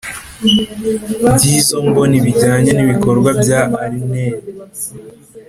by izo mboni bijyanye n ibikorwa bya arin ea